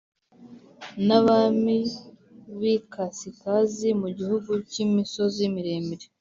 n abami b ikasikazi mu gihugu cy imisozi miremire